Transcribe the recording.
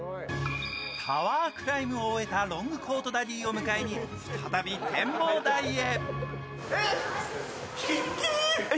タワークライムを終えたロングコートダディを迎えに再び、展望台へ。